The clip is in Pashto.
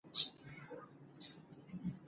چې د دوو هېوادونو ترمنځ دوښمني